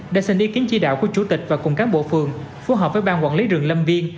đã xin ý kiến chi đạo của chủ tịch và cùng các bộ phường phù hợp với bang quản lý rừng lâm viên